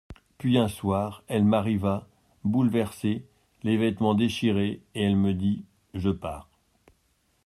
Puis, un soir, elle m'arriva, bouleversée, les vêtements déchirés, et elle me dit : Je pars.